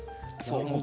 そう。